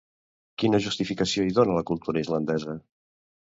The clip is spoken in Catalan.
Quina justificació hi dona la cultura islandesa?